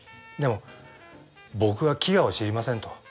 でも僕は飢餓を知りませんと。